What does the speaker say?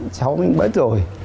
cháu mình bất rồi